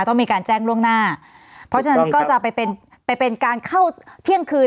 ต้องมีการแจ้งล่วงหน้าเพราะฉะนั้นก็จะไปเป็นไปเป็นการเข้าเที่ยงคืน